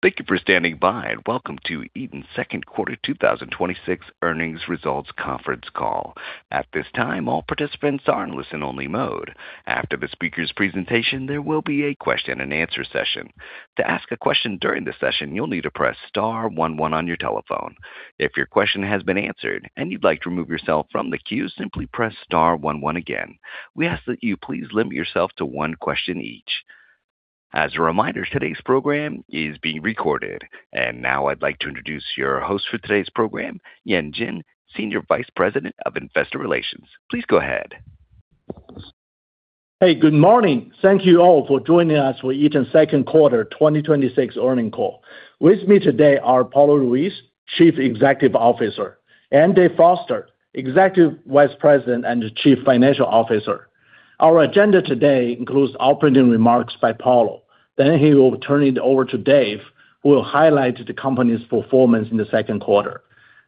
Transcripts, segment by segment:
Thank you for standing by, and welcome to Eaton's second quarter 2026 earnings results conference call. At this time, all participants are in listen-only mode. After the speaker's presentation, there will be a question and answer session. To ask a question during the session, you'll need to press star one one on your telephone. If your question has been answered and you'd like to remove yourself from the queue, simply press star one one again. We ask that you please limit yourself to one question each. As a reminder, today's program is being recorded. Now I'd like to introduce your host for today's program, Yan Jin, Senior Vice President of Investor Relations. Please go ahead. Hey, good morning. Thank you all for joining us for Eaton's second quarter 2026 earning call. With me today are Paulo Ruiz, Chief Executive Officer, and Dave Foster, Executive Vice President and Chief Financial Officer. Our agenda today includes opening remarks by Paulo, then he will turn it over to Dave, who will highlight the company's performance in the second quarter.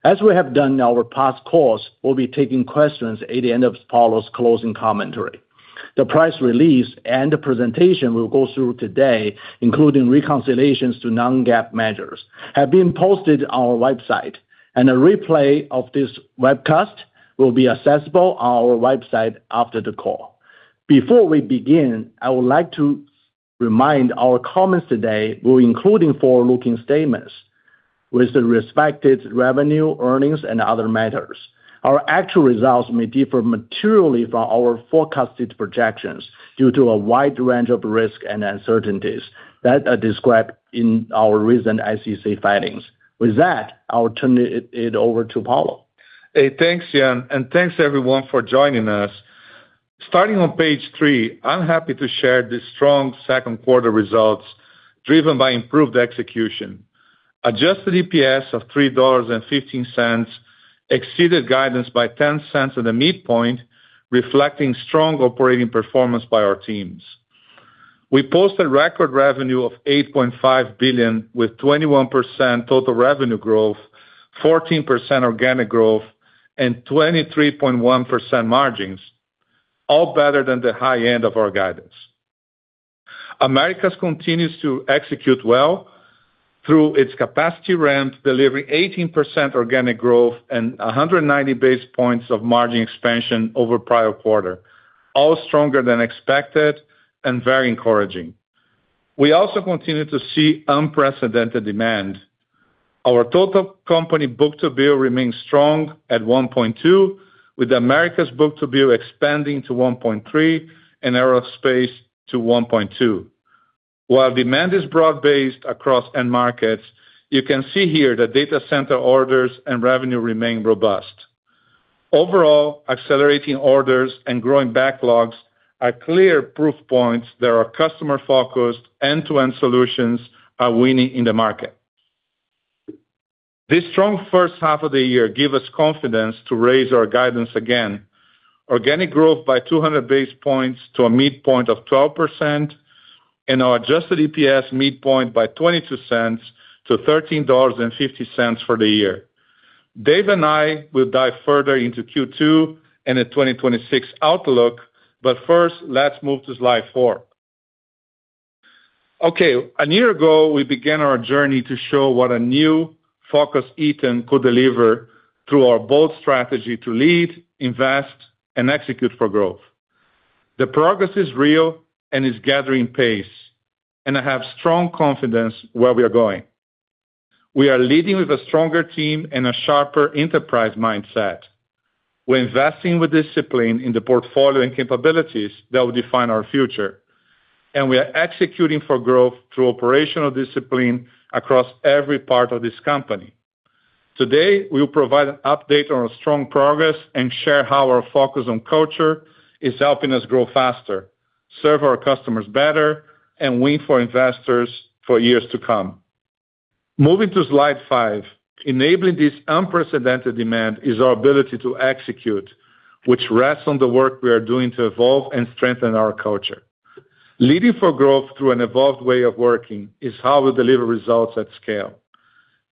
As we have done in our past calls, we'll be taking questions at the end of Paulo's closing commentary. The press release and the presentation we'll go through today, including reconciliations to non-GAAP measures, have been posted on our website. A replay of this webcast will be accessible on our website after the call. Before we begin, I would like to remind our comments today will include forward-looking statements with respect to revenue, earnings, and other matters. Our actual results may differ materially from our forecasted projections due to a wide range of risks and uncertainties that are described in our recent SEC filings. With that, I'll turn it over to Paulo. Hey, thanks, Yan, and thanks, everyone, for joining us. Starting on page three, I'm happy to share the strong second quarter results driven by improved execution. Adjusted EPS of $3.15 exceeded guidance by $0.10 at the midpoint, reflecting strong operating performance by our teams. We posted record revenue of $8.5 billion with 21% total revenue growth, 14% organic growth, and 23.1% margins, all better than the high end of our guidance. Americas continues to execute well through its capacity ramp, delivering 18% organic growth and 190 base points of margin expansion over the prior quarter, all stronger than expected and very encouraging. We also continue to see unprecedented demand. Our total company book-to-bill remains strong at 1.2, with the Americas book-to-bill expanding to 1.3 and Aerospace to 1.2, while demand is broad-based across end markets, you can see here that data center orders and revenue remain robust. Overall, accelerating orders and growing backlogs are clear proof points that our customer-focused end-to-end solutions are winning in the market. This strong first half of the year gives us confidence to raise our guidance again, organic growth by 200 basis points to a midpoint of 12%, and our adjusted EPS midpoint by $0.22 to $13.50 for the year. Dave and I will dive further into Q2 and the 2026 outlook, but first, let's move to slide four. Okay, a year ago, we began our journey to show what a new focus Eaton could deliver through our bold strategy to lead, invest, and execute for growth. The progress is real and is gathering pace, and I have strong confidence where we are going. We are leading with a stronger team and a sharper enterprise mindset. We're investing with discipline in the portfolio and capabilities that will define our future, and we are executing for growth through operational discipline across every part of this company. Today, we will provide an update on our strong progress and share how our focus on culture is helping us grow faster, serve our customers better, and win for investors for years to come. Moving to slide five, enabling this unprecedented demand is our ability to execute, which rests on the work we are doing to evolve and strengthen our culture. Leading for growth through an evolved way of working is how we deliver results at scale.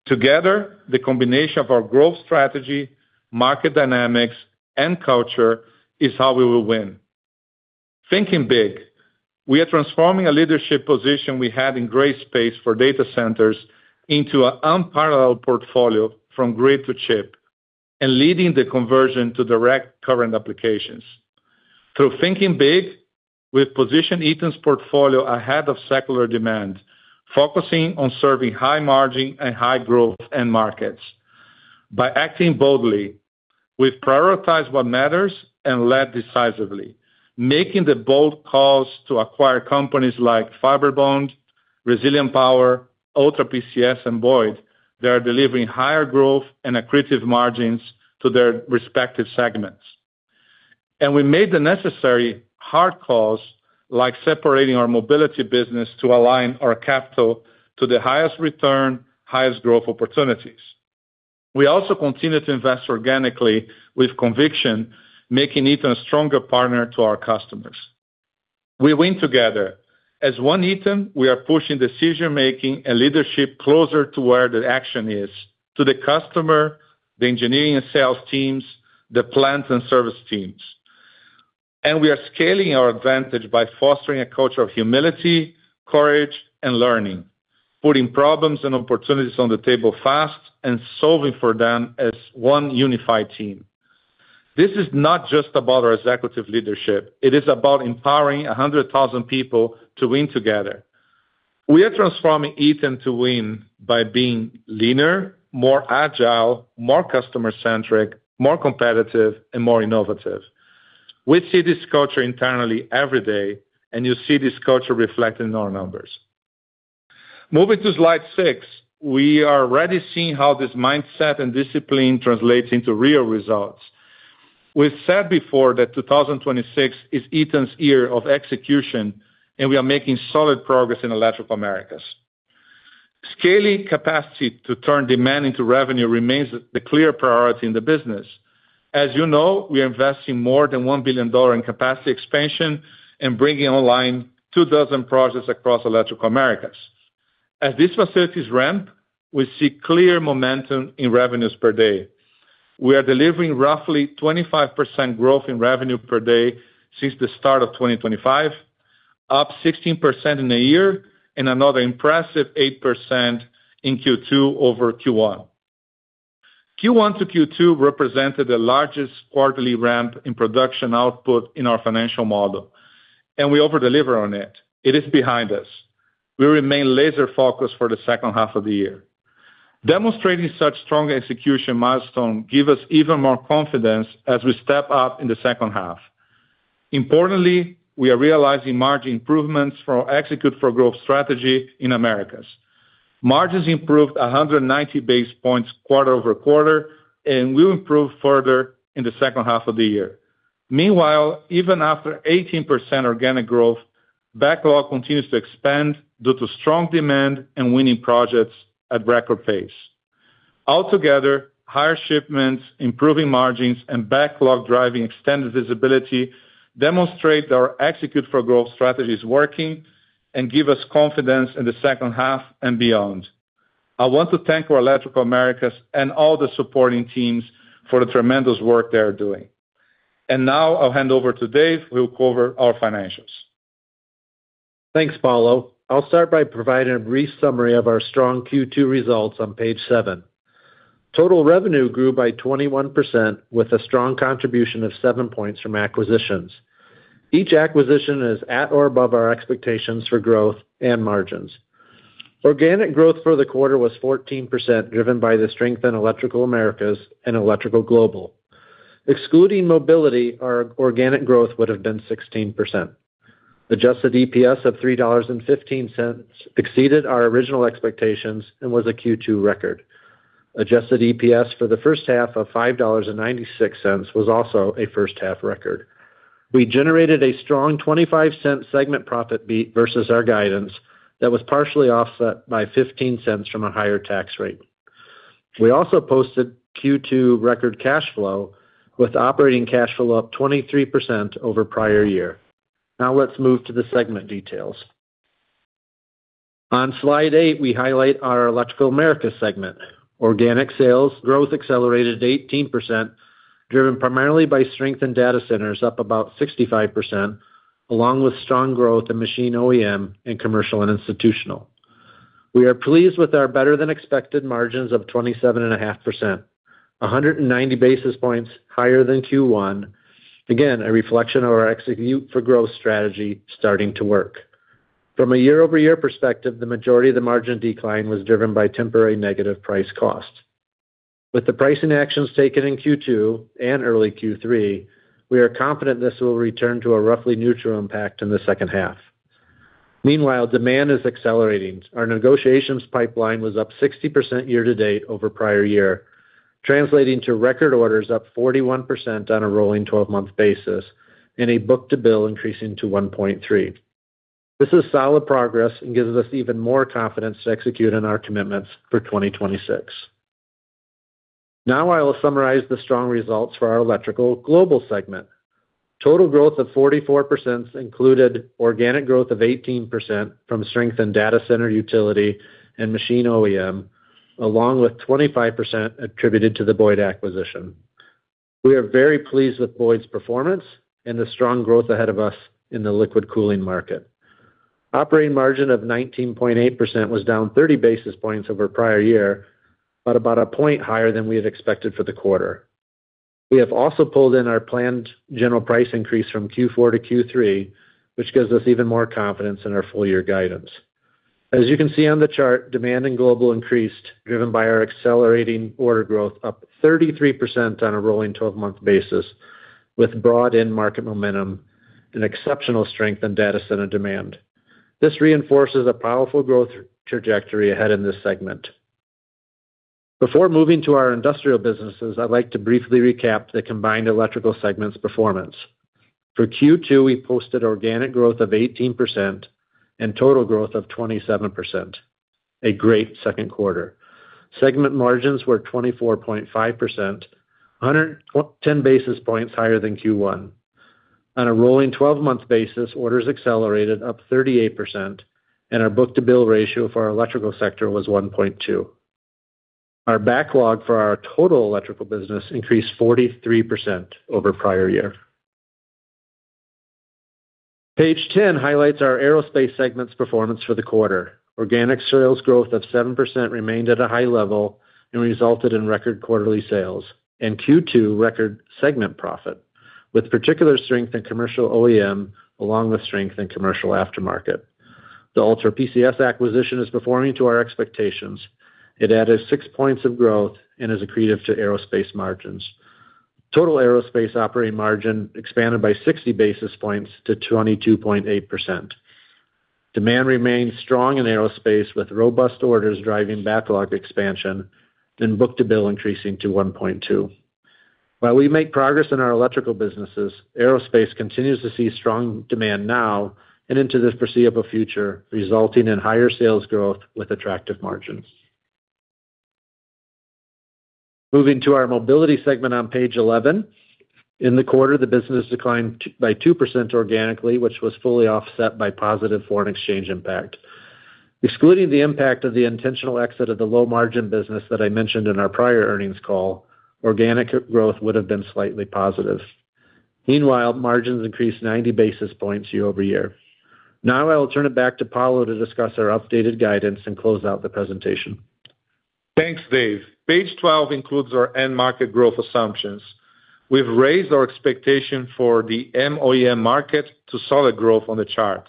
Together, the combination of our growth strategy, market dynamics, and culture is how we will win. Thinking big, we are transforming a leadership position we had in gray space for data centers into an unparalleled portfolio from grid to chip and leading the conversion to direct current applications. Through thinking big, we've positioned Eaton's portfolio ahead of secular demand, focusing on serving high-margin and high-growth end markets. By acting boldly, we've prioritized what matters and led decisively, making the bold calls to acquire companies like Fibrebond, Resilient Power, Ultra PCS, and Boyd that are delivering higher growth and accretive margins to their respective segments. We made the necessary hard calls, like separating our Mobility business to align our capital to the highest return, highest growth opportunities. We also continue to invest organically with conviction, making Eaton a stronger partner to our customers. We win together. As one Eaton, we are pushing decision-making and leadership closer to where the action is, to the customer, the engineering and sales teams, the plant and service teams. We are scaling our advantage by fostering a culture of humility, courage, and learning, putting problems and opportunities on the table fast and solving for them as one unified team. This is not just about our executive leadership. It is about empowering 100,000 people to win together. We are transforming Eaton to win by being leaner, more agile, more customer-centric, more competitive, and more innovative. We see this culture internally every day, and you see this culture reflected in our numbers. Moving to slide six, we are already seeing how this mindset and discipline translates into real results. We've said before that 2026 is Eaton's year of execution, and we are making solid progress in Electrical Americas. Scaling capacity to turn demand into revenue remains the clear priority in the business. As you know, we are investing more than $1 billion in capacity expansion and bringing online two dozen projects across Electrical Americas. As these facilities ramp, we see clear momentum in revenues per day. We are delivering roughly 25% growth in revenue per day since the start of 2025, up 16% in a year, and another impressive 8% in Q2 over Q1. Q1 to Q2 represented the largest quarterly ramp in production output in our financial model, and we over-deliver on it. It is behind us. We remain laser-focused for the second half of the year. Demonstrating such strong execution milestones give us even more confidence as we step up in the second half. Importantly, we are realizing margin improvements from our Execute for Growth strategy in Americas. Margins improved 190 basis points quarter-over-quarter and will improve further in the second half of the year. Meanwhile, even after 18% organic growth, backlog continues to expand due to strong demand and winning projects at record pace. Altogether, higher shipments, improving margins, and backlog driving extended visibility demonstrate that our Execute for Growth strategy is working and give us confidence in the second half and beyond. I want to thank our Electrical Americas and all the supporting teams for the tremendous work they are doing. Now I'll hand over to Dave, who will cover our financials. Thanks, Paulo. I'll start by providing a brief summary of our strong Q2 results on page seven. Total revenue grew by 21% with a strong contribution of seven points from acquisitions. Each acquisition is at or above our expectations for growth and margins. Organic growth for the quarter was 14%, driven by the strength in Electrical Americas and Electrical Global. Excluding Mobility, our organic growth would have been 16%. Adjusted EPS of $3.15 exceeded our original expectations and was a Q2 record. Adjusted EPS for the first half of $5.96 was also a first-half record. We generated a strong $0.25 segment profit beat versus our guidance that was partially offset by $0.15 from a higher tax rate. We also posted Q2 record cash flow, with operating cash flow up 23% over prior year. Let's move to the segment details. On slide eight, we highlight our Electrical Americas segment. Organic sales growth accelerated to 18%, driven primarily by strength in data centers up about 65%, along with strong growth in machine OEM and commercial and institutional. We are pleased with our better-than-expected margins of 27.5%, 190 basis points higher than Q1. Again, a reflection of our Execute for Growth strategy starting to work. From a year-over-year perspective, the majority of the margin decline was driven by temporary negative price cost. With the pricing actions taken in Q2 and early Q3, we are confident this will return to a roughly neutral impact in the second half. Meanwhile, demand is accelerating. Our negotiations pipeline was up 60% year to date over prior year, translating to record orders up 41% on a rolling 12-month basis and a book-to-bill increasing to 1.3. This is solid progress and gives us even more confidence to execute on our commitments for 2026. Now I will summarize the strong results for our Electrical Global segment. Total growth of 44% included organic growth of 18% from strength in data center utility and machine OEM, along with 25% attributed to the Boyd acquisition. We are very pleased with Boyd's performance and the strong growth ahead of us in the liquid cooling market. Operating margin of 19.8% was down 30 basis points over prior year, but about a point higher than I had expected for the quarter. We have also pulled in our planned general price increase from Q4 to Q3, which gives us even more confidence in our full-year guidance. As you can see on the chart, demand in Global increased, driven by our accelerating order growth up 33% on a rolling 12-month basis with broad end market momentum and exceptional strength in data center demand. This reinforces a powerful growth trajectory ahead in this segment. Before moving to our industrial businesses, I'd like to briefly recap the combined electrical segments performance. For Q2, we posted organic growth of 18% and total growth of 27%, a great second quarter. Segment margins were 24.5%, 110 basis points higher than Q1. On a rolling 12-month basis, orders accelerated up 38%, and our book-to-bill ratio for our electrical sector was 1.2. Our backlog for our total electrical business increased 43% over prior year. Page 10 highlights our Aerospace segment's performance for the quarter. Organic sales growth of 7% remained at a high level and resulted in record quarterly sales and Q2 record segment profit, with particular strength in commercial OEM along with strength in commercial aftermarket. The Ultra PCS acquisition is performing to our expectations. It added six points of growth and is accretive to Aerospace margins. Total Aerospace operating margin expanded by 60 basis points to 22.8%. Demand remains strong in Aerospace, with robust orders driving backlog expansion and book-to-bill increasing to 1.2. While we make progress in our electrical businesses, Aerospace continues to see strong demand now and into the foreseeable future, resulting in higher sales growth with attractive margins. Moving to our Mobility segment on page 11. In the quarter, the business declined by 2% organically, which was fully offset by positive foreign exchange impact. Excluding the impact of the intentional exit of the low-margin business that I mentioned in our prior earnings call, organic growth would have been slightly positive. Meanwhile, margins increased 90 basis points year-over-year. Now I will turn it back to Paulo to discuss our updated guidance and close out the presentation. Thanks, Dave. Page 12 includes our end market growth assumptions. We've raised our expectation for the MOEM market to solid growth on the chart.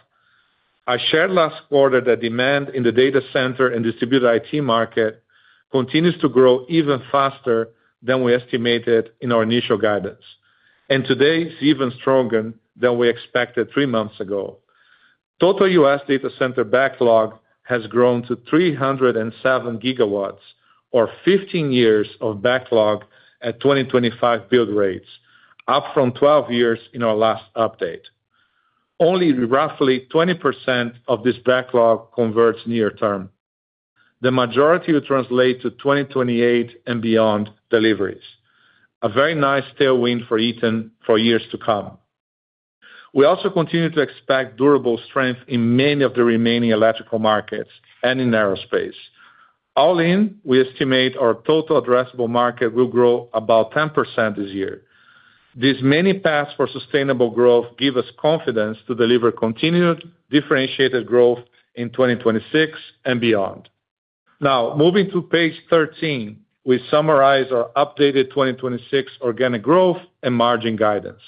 I shared last quarter that demand in the data center and distributed IT market continues to grow even faster than we estimated in our initial guidance. Today, it's even stronger than we expected three months ago. Total U.S. data center backlog has grown to 307 GW, or 15 years of backlog at 2025 build rates, up from 12 years in our last update. Only roughly 20% of this backlog converts near term. The majority will translate to 2028 and beyond deliveries. A very nice tailwind for Eaton for years to come. We also continue to expect durable strength in many of the remaining electrical markets and in Aerospace. All in, we estimate our total addressable market will grow about 10% this year. These many paths for sustainable growth give us confidence to deliver continued differentiated growth in 2026 and beyond. Now, moving to page 13, we summarize our updated 2026 organic growth and margin guidance.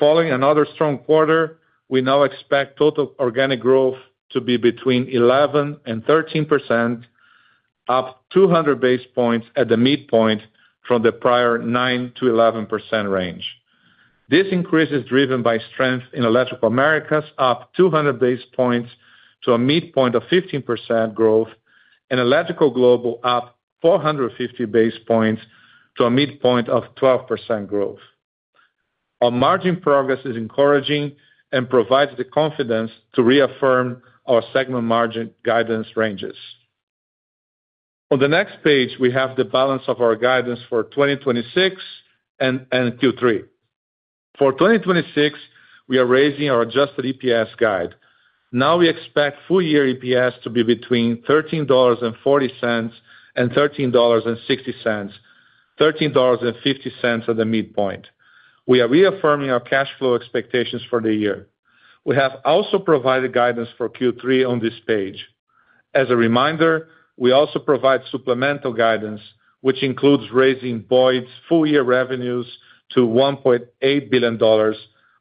Following another strong quarter, we now expect total organic growth to be between 11% and 13%, up 200 basis points at the midpoint from the prior 9%-11% range. This increase is driven by strength in Electrical Americas, up 200 basis points to a midpoint of 15% growth, and Electrical Global up 450 basis points to a midpoint of 12% growth. Our margin progress is encouraging and provides the confidence to reaffirm our segment margin guidance ranges. On the next page, we have the balance of our guidance for 2026 and Q3. For 2026, we are raising our adjusted EPS guide. Now we expect full-year EPS to be between $13.40 and $13.60, $13.50 at the midpoint. We are reaffirming our cash flow expectations for the year. We have also provided guidance for Q3 on this page. As a reminder, we also provide supplemental guidance, which includes raising Boyd's full-year revenues to $1.8 billion,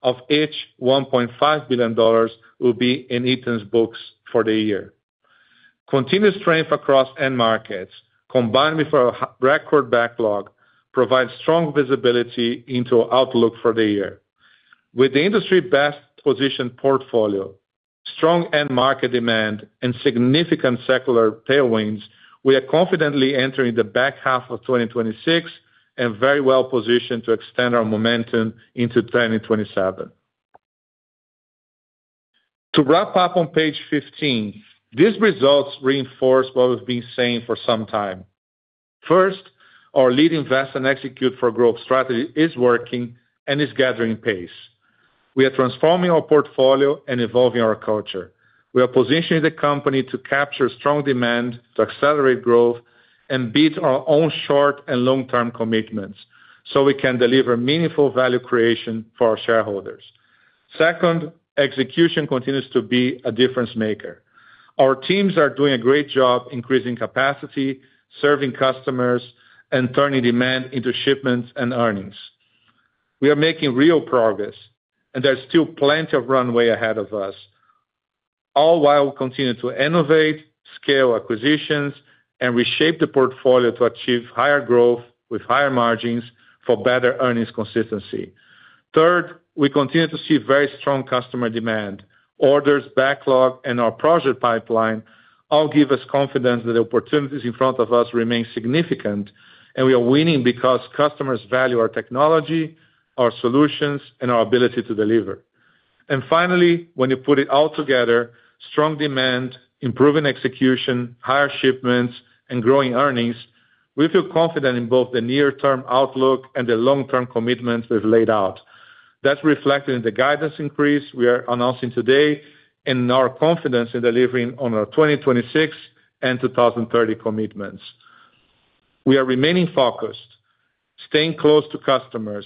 of which $1.5 billion will be in Eaton's books for the year. Continuous strength across end markets, combined with our record backlog, provides strong visibility into our outlook for the year. With the industry best-positioned portfolio, strong end market demand, and significant secular tailwinds, we are confidently entering the back half of 2026 and very well positioned to extend our momentum into 2027. To wrap up on page 15, these results reinforce what we've been saying for some time. First, our lead, invest, and execute for growth strategy is working and is gathering pace. We are transforming our portfolio and evolving our culture. We are positioning the company to capture strong demand, to accelerate growth, and beat our own short and long-term commitments so we can deliver meaningful value creation for our shareholders. Second, execution continues to be a difference-maker. Our teams are doing a great job increasing capacity, serving customers, and turning demand into shipments and earnings. We are making real progress, and there's still plenty of runway ahead of us, all while we continue to innovate, scale acquisitions, and reshape the portfolio to achieve higher growth with higher margins for better earnings consistency. Third, we continue to see very strong customer demand. Orders, backlog, and our project pipeline all give us confidence that the opportunities in front of us remain significant, and we are winning because customers value our technology, our solutions, and our ability to deliver. Finally, when you put it all together, strong demand, improving execution, higher shipments, and growing earnings, we feel confident in both the near-term outlook and the long-term commitments we've laid out. That's reflected in the guidance increase we are announcing today and our confidence in delivering on our 2026 and 2030 commitments. We are remaining focused, staying close to customers,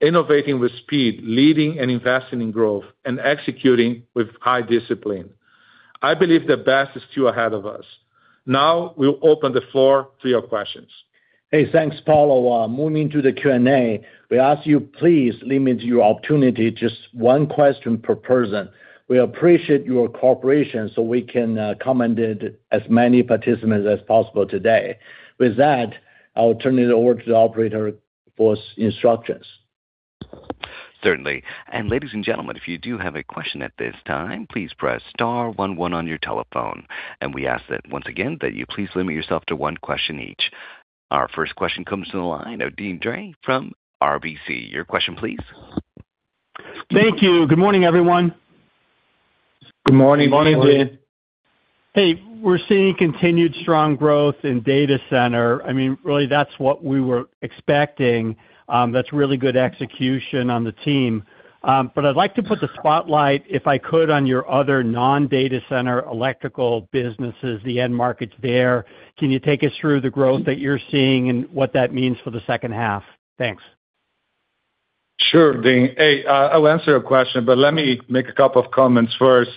innovating with speed, leading and investing in growth, and executing with high discipline. I believe the best is still ahead of us. Now, we'll open the floor to your questions. Hey, thanks, Paulo. Moving to the Q&A, we ask you, please limit your opportunity to just one question per person. We appreciate your cooperation so we can accommodate as many participants as possible today. With that, I'll turn it over to the operator for instructions. Certainly. Ladies and gentlemen, if you do have a question at this time, please press star one one on your telephone. We ask that, once again, that you please limit yourself to one question each. Our first question comes to the line of Deane Dray from RBC. Your question please. Thank you. Good morning, everyone. Good morning. Good morning, Deane. Hey, we're seeing continued strong growth in data center. Really, that's what we were expecting. That's really good execution on the team. I'd like to put the spotlight, if I could, on your other non-data center electrical businesses, the end markets there. Can you take us through the growth that you're seeing and what that means for the second half? Thanks. Sure, Deane. Hey, I'll answer your question, but let me make a couple of comments first.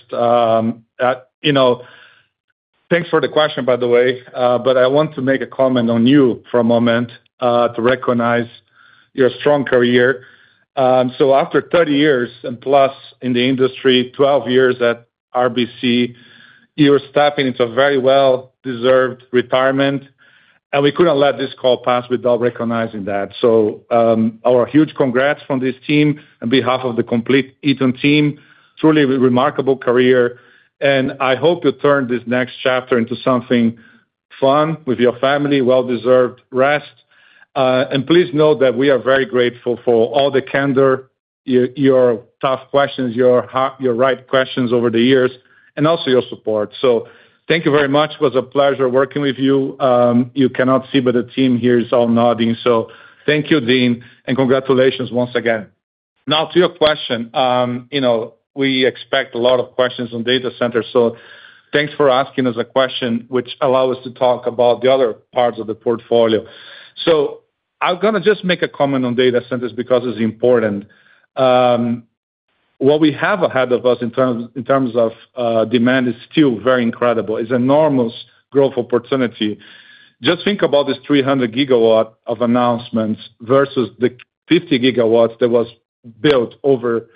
Thanks for the question, by the way. I want to make a comment on you for a moment, to recognize your strong career. After 30 years and plus in the industry, 12 years at RBC, you're stepping into a very well-deserved retirement, and we couldn't let this call pass without recognizing that. Our huge congrats from this team on behalf of the complete Eaton team. Truly a remarkable career, and I hope you turn this next chapter into something fun with your family, well-deserved rest. Please note that we are very grateful for all the candor, your tough questions, your right questions over the years, and also your support. Thank you very much. It was a pleasure working with you. You cannot see, but the team here is all nodding. Thank you, Deane, and congratulations once again. Now to your question. We expect a lot of questions on data centers, so thanks for asking us a question which allow us to talk about the other parts of the portfolio. I'm going to just make a comment on data centers because it's important. What we have ahead of us in terms of demand is still very incredible. It's enormous growth opportunity. Just think about this 300 GW of announcements versus the 50 GW that was built over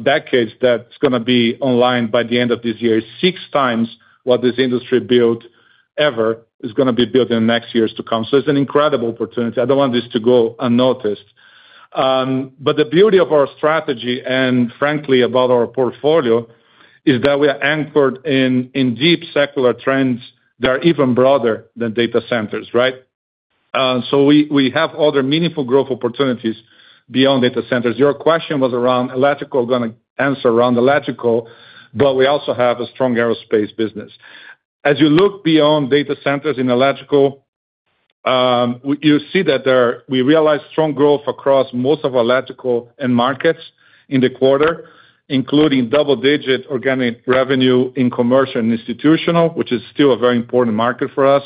decades that's going to be online by the end of this year. Six times what this industry built ever is going to be built in next years to come. It's an incredible opportunity. I don't want this to go unnoticed. The beauty of our strategy and frankly, about our portfolio, is that we are anchored in deep secular trends that are even broader than data centers, right? We have other meaningful growth opportunities beyond data centers. Your question was around electrical, going to answer around electrical, but we also have a strong aerospace business. As you look beyond data centers in electrical, you see that we realized strong growth across most of electrical end markets in the quarter, including double-digit organic revenue in commercial and institutional, which is still a very important market for us.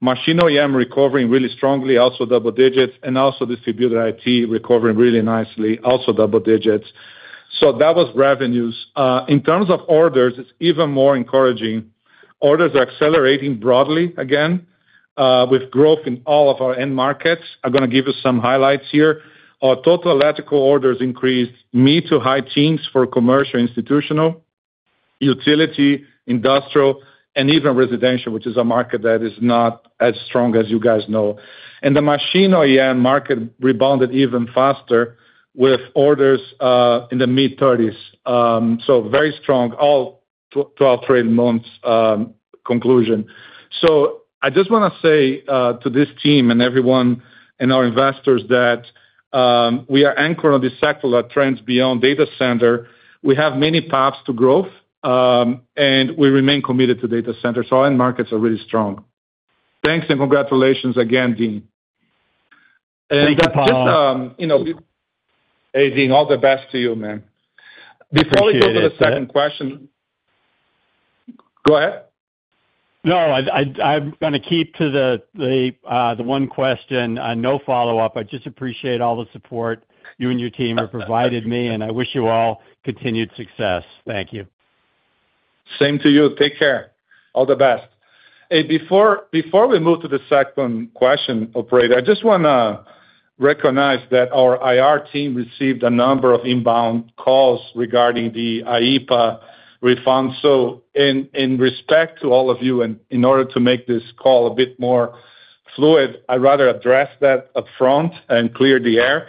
Machine OEM recovering really strongly, also double digits, and also distributor IT recovering really nicely, also double digits. That was revenues. In terms of orders, it's even more encouraging. Orders are accelerating broadly again, with growth in all of our end markets. I'm going to give you some highlights here. Our total electrical orders increased mid to high teens for commercial, institutional, utility, industrial, and even residential, which is a market that is not as strong as you guys know. The machine OEM market rebounded even faster with orders in the mid-30s. Very strong all 12, 13 months conclusion. I just want to say to this team and everyone and our investors that we are anchored on the secular trends beyond data center. We have many paths to growth, and we remain committed to data centers, end markets are really strong. Thanks and congratulations again, Deane. Thank you, Paulo. Hey, Deane, all the best to you, man. Appreciate it. Before we go to the second question. Go ahead. No, I'm going to keep to the one question. No follow-up. I just appreciate all the support you and your team have provided me, and I wish you all continued success. Thank you. Same to you. Take care. All the best. Hey, before we move to the second question, operator, I just want to recognize that our IR team received a number of inbound calls regarding the IEEPA refunds. In respect to all of you and in order to make this call a bit more fluid, I'd rather address that upfront and clear the air.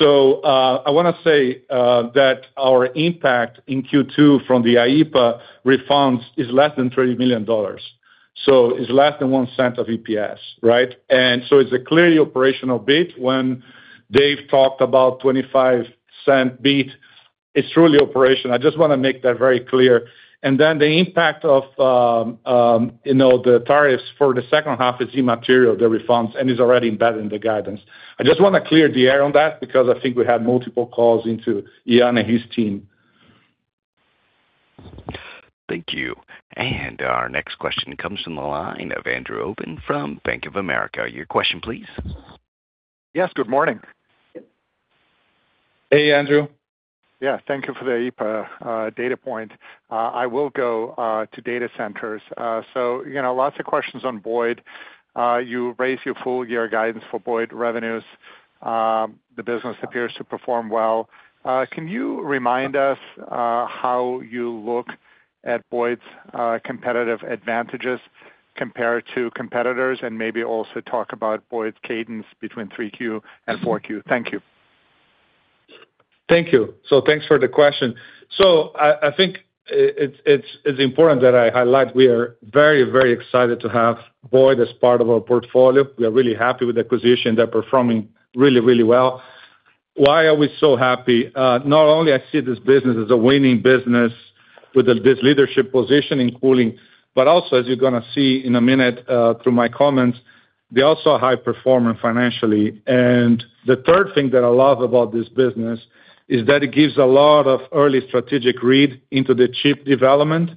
I want to say that our impact in Q2 from the IEEPA refunds is less than $3 million. It's less than $0.01 of EPS, right? It's a clearly operational bit when Dave talked about $0.25 bit It's truly operational. I just want to make that very clear. The impact of the tariffs for the second half is immaterial, the refunds, and is already embedded in the guidance. I just want to clear the air on that because I think we had multiple calls into Yan and his team. Thank you. Our next question comes from the line of Andrew Obin from Bank of America. Your question, please. Yes, good morning. Hey, Andrew. Yeah, thank you for the EPA data point. I will go to data centers. Lots of questions on Boyd. You raised your full-year guidance for Boyd revenues. The business appears to perform well. Can you remind us how you look at Boyd's competitive advantages compared to competitors, and maybe also talk about Boyd's cadence between 3Q and 4Q? Thank you. Thank you. Thanks for the question. I think it's important that I highlight we are very excited to have Boyd as part of our portfolio. We are really happy with the acquisition. They're performing really well. Why are we so happy? Not only I see this business as a winning business with this leadership position in cooling, but also, as you're going to see in a minute through my comments, they're also a high performer financially. The third thing that I love about this business is that it gives a lot of early strategic read into the chip development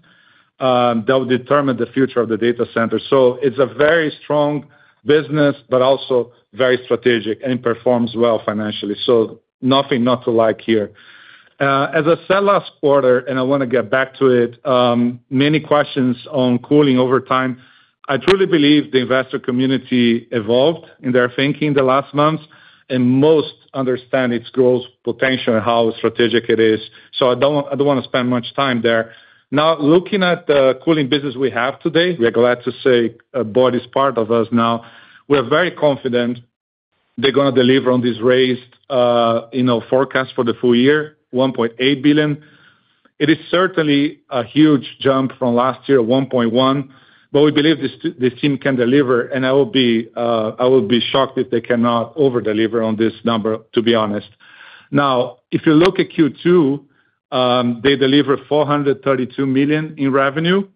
that will determine the future of the data center. It's a very strong business, but also very strategic, and it performs well financially. Nothing not to like here. As I said last quarter, I want to get back to it, many questions on cooling over time. I truly believe the investor community evolved in their thinking the last months, and most understand its growth potential and how strategic it is. I don't want to spend much time there. Now, looking at the cooling business we have today, we are glad to say Boyd is part of us now. We are very confident they're going to deliver on this raised forecast for the full year, $1.8 billion. It is certainly a huge jump from last year, $1.1 billion, but we believe this team can deliver, and I will be shocked if they cannot over-deliver on this number, to be honest. Now, if you look at Q2, they delivered $432 million in revenue,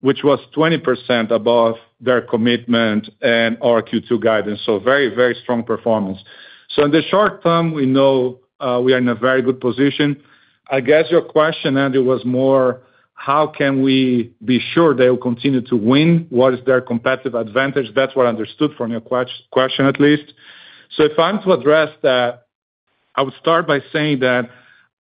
which was 20% above their commitment and our Q2 guidance. Very strong performance. In the short term, we know we are in a very good position. I guess your question, Andrew, was more how can we be sure they will continue to win? What is their competitive advantage? That's what I understood from your question at least. If I'm to address that, I would start by saying that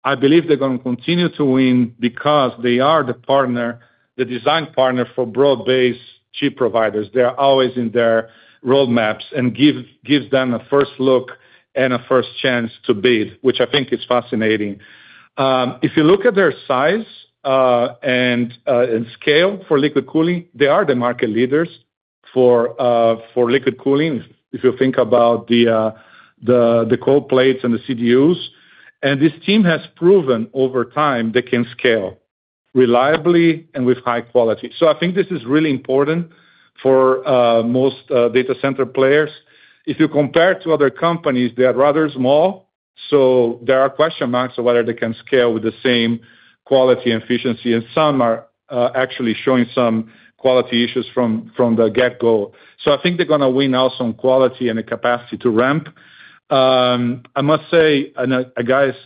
I believe they're going to continue to win because they are the design partner for broad-based chip providers. They're always in their roadmaps and gives them a first look and a first chance to bid, which I think is fascinating. If you look at their size and scale for liquid cooling, they are the market leaders for liquid cooling, if you think about the cold plates and the CDUs. This team has proven over time they can scale reliably and with high quality. I think this is really important for most data center players. If you compare to other companies, they are rather small, there are question marks of whether they can scale with the same quality and efficiency, and some are actually showing some quality issues from the get-go. I think they're going to win out on quality and the capacity to ramp. I must say,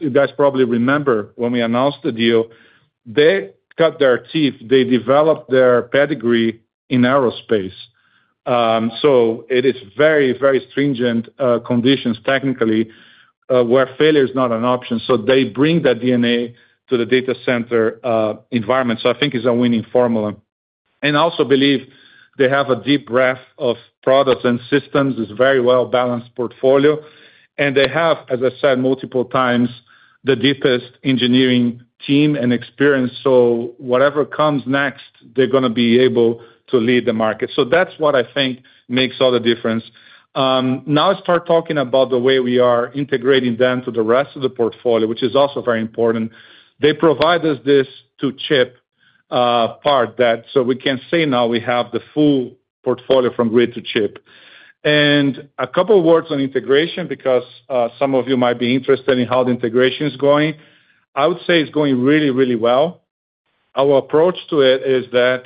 you guys probably remember when we announced the deal, they cut their teeth, they developed their pedigree in aerospace. It is very stringent conditions technically where failure is not an option. They bring that DNA to the data center environment. I think it's a winning formula. I also believe they have a deep breadth of products and systems. It's a very well-balanced portfolio, they have, as I said multiple times, the deepest engineering team and experience. Whatever comes next, they're going to be able to lead the market. That's what I think makes all the difference. Now I start talking about the way we are integrating them to the rest of the portfolio, which is also very important. They provide us this to chip part, we can say now we have the full portfolio from grid to chip. A couple words on integration, because some of you might be interested in how the integration is going. I would say it's going really well. Our approach to it is that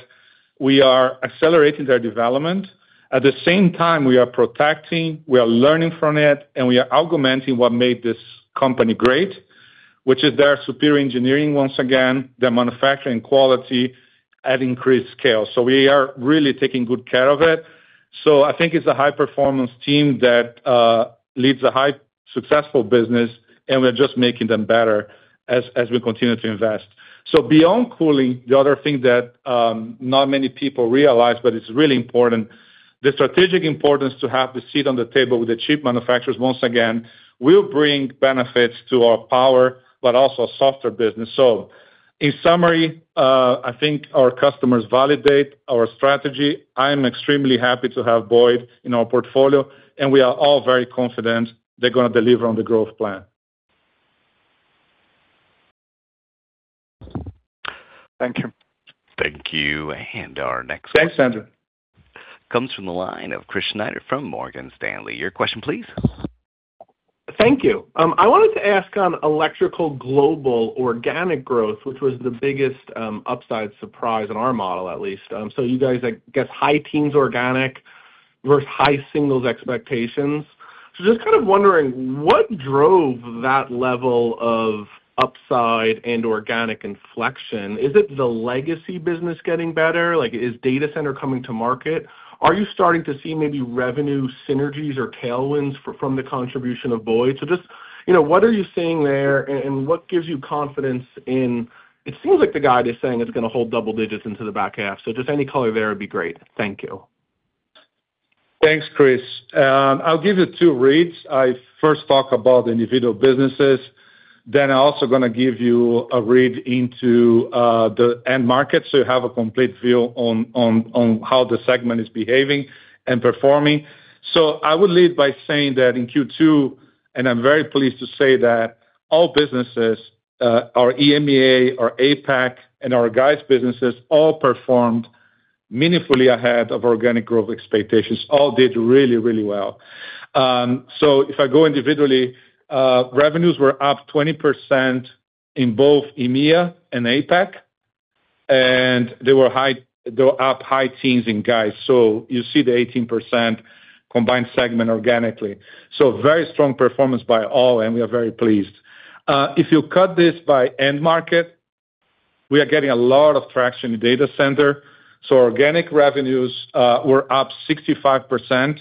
we are accelerating their development. At the same time, we are protecting, we are learning from it, we are augmenting what made this company great, which is their superior engineering, once again, their manufacturing quality at increased scale. We are really taking good care of it. I think it's a high-performance team that leads a high successful business, we're just making them better as we continue to invest. Beyond cooling, the other thing that not many people realize, it's really important, the strategic importance to have a seat on the table with the chip manufacturers, once again, will bring benefits to our power, also our software business. In summary, I think our customers validate our strategy. I am extremely happy to have Boyd in our portfolio, we are all very confident they're going to deliver on the growth plan. Thank you. Thank you. And our next question. Thanks, Andrew Comes from the line of Chris Snyder from Morgan Stanley. Your question, please. Thank you. I wanted to ask on Electrical Global organic growth, which was the biggest upside surprise in our model, at least. You guys, I guess, high teens organic versus high singles expectations. Just kind of wondering, what drove that level of upside and organic inflection. Is it the legacy business getting better? Is data center coming to market? Are you starting to see maybe revenue synergies or tailwinds from the contribution of Boyd? Just what are you seeing there, and what gives you confidence in, it seems like the guide is saying it's going to hold double digits into the back half. Just any color there would be great. Thank you. Thanks, Chris. I'll give you two reads. I first talk about individual businesses, then I also going to give you a read into the end market so you have a complete view on how the segment is behaving and performing. I would lead by saying that in Q2, I'm very pleased to say that all businesses, our EMEA, our APAC, and our Guides businesses all performed meaningfully ahead of organic growth expectations. All did really well. If I go individually, revenues were up 20% in both EMEA and APAC, and they were up high teens in Guides. You see the 18% combined segment organically. Very strong performance by all, and we are very pleased. If you cut this by end market, we are getting a lot of traction in data center. Organic revenues were up 65%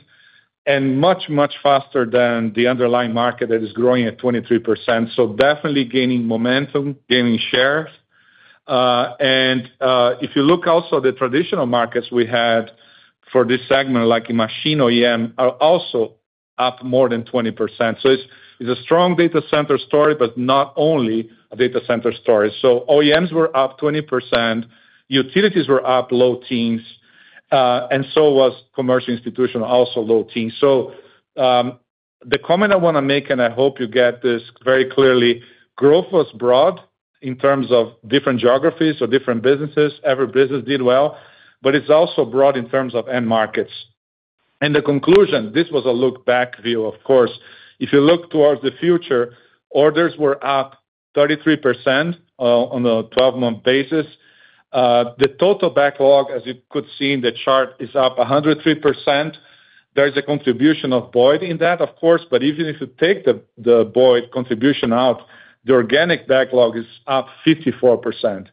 and much faster than the underlying market that is growing at 23%. Definitely gaining momentum, gaining shares. If you look also the traditional markets we had for this segment, like in machine OEM, are also up more than 20%. It's a strong data center story, but not only a data center story. OEMs were up 20%, utilities were up low teens, and so was commercial institution, also low teens. The comment I want to make, and I hope you get this very clearly, growth was broad in terms of different geographies or different businesses. Every business did well, but it's also broad in terms of end markets. The conclusion, this was a look back view, of course. If you look towards the future, orders were up 33% on a 12-month basis. The total backlog, as you could see in the chart, is up 103%. There is a contribution of Boyd in that, of course, but even if you take the Boyd contribution out, the organic backlog is up 54%.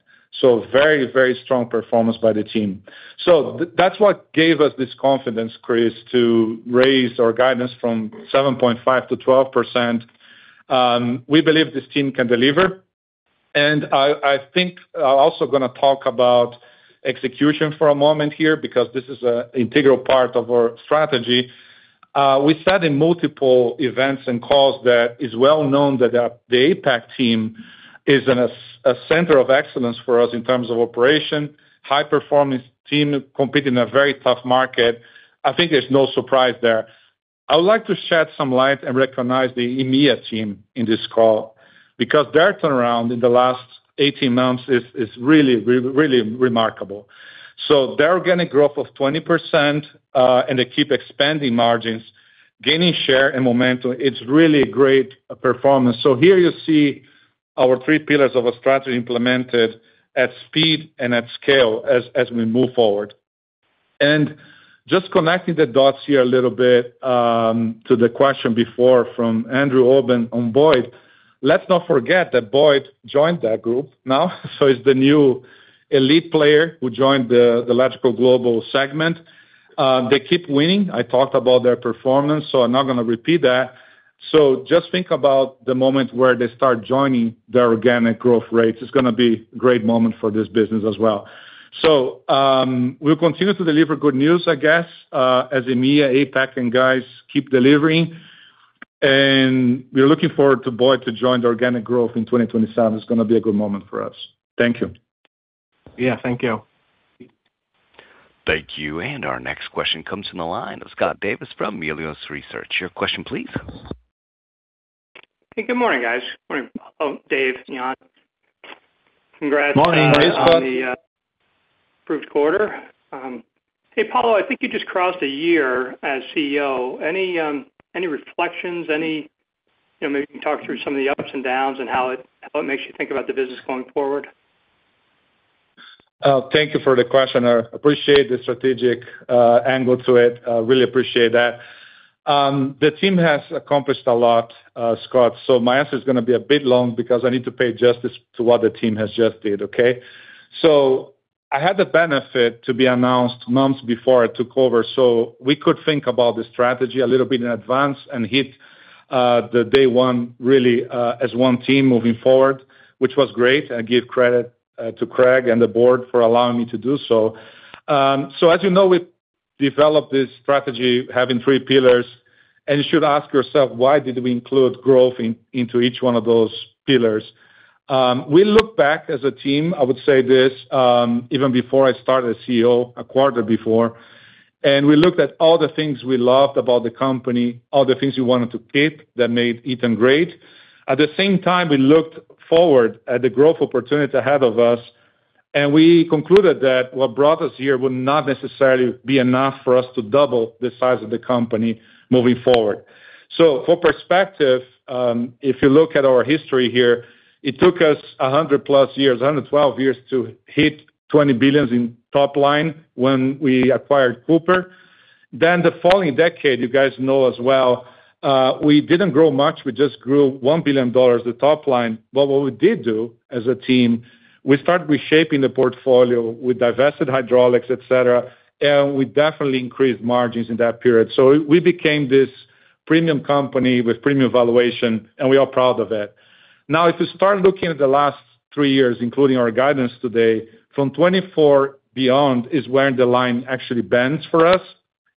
Very strong performance by the team. That's what gave us this confidence, Chris, to raise our guidance from 7.5% to 12%. We believe this team can deliver, and I think I also going to talk about execution for a moment here, because this is an integral part of our strategy. We said in multiple events and calls that it's well known that the APAC team is a center of excellence for us in terms of operation, high performance team competing in a very tough market. I think there's no surprise there. I would like to shed some light and recognize the EMEA team in this call because their turnaround in the last 18 months is really remarkable. Their organic growth of 20%, and they keep expanding margins, gaining share and momentum. It's really great performance. Here you see our three pillars of a strategy implemented at speed and at scale as we move forward. Just connecting the dots here a little bit, to the question before from Andrew Obin on Boyd, let's not forget that Boyd joined that group now. It's the new elite player who joined the Electrical Global segment. They keep winning. I talked about their performance, I'm not going to repeat that. Just think about the moment where they start joining their organic growth rates. It's going to be a great moment for this business as well. We'll continue to deliver good news, I guess, as EMEA, APAC and Guides keep delivering. We are looking forward to Boyd to join the organic growth in 2027. It's going to be a good moment for us. Thank you. Yeah. Thank you. Thank you. Our next question comes from the line of Scott Davis from Melius Research. Your question, please. Hey, good morning, guys. Morning, Paulo, Dave, Yan. Congrats. Morning, Scott. On the approved quarter. Hey, Paulo, I think you just crossed a year as CEO. Any reflections? Maybe you can talk through some of the ups and downs and how it makes you think about the business going forward. Thank you for the question. I appreciate the strategic angle to it. Really appreciate that. The team has accomplished a lot, Scott, my answer is going to be a bit long because I need to pay justice to what the team has just did, okay? I had the benefit to be announced months before I took over, we could think about the strategy a little bit in advance and hit the day one really as one team moving forward, which was great, and give credit to Craig and the board for allowing me to do so. As you know, we've developed this strategy having three pillars, you should ask yourself, why did we include growth into each one of those pillars? We look back as a team, I would say this, even before I started CEO, a quarter before. We looked at all the things we loved about the company, all the things we wanted to keep that made Eaton great. At the same time, we looked forward at the growth opportunity ahead of us, and we concluded that what brought us here would not necessarily be enough for us to double the size of the company moving forward. For perspective, if you look at our history here, it took us 100-plus years, 112 years to hit $20 billion in top line when we acquired Cooper. The following decade, you guys know as well, we didn't grow much. We just grew $1 billion the top line. What we did do as a team, we started reshaping the portfolio. We divested hydraulics, et cetera, and we definitely increased margins in that period. We became this premium company with premium valuation, and we are proud of it. If you start looking at the last three years, including our guidance today, from 2024 beyond is where the line actually bends for us.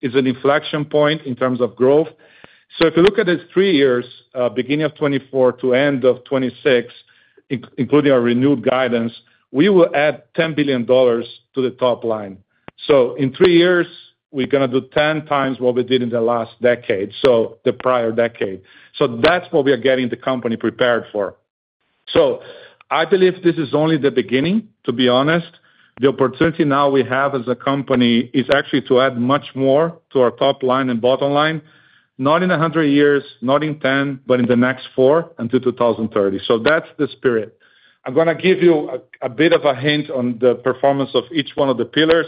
It's an inflection point in terms of growth. If you look at the three years, beginning of 2024 to end of 2026, including our renewed guidance, we will add $10 billion to the top line. In three years, we're going to do 10 times what we did in the last decade, the prior decade. That's what we are getting the company prepared for. I believe this is only the beginning, to be honest. The opportunity now we have as a company is actually to add much more to our top line and bottom line, not in 100 years, not in 10, but in the next four, until 2030. That's the spirit. I'm going to give you a bit of a hint on the performance of each one of the pillars.